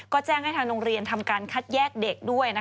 ก็แจ้งให้ทางโรงเรียนทำการคัดแยกเด็กด้วย